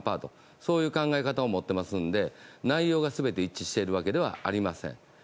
そういう考え方を持っていますので内容が全て一致しているわけではありません。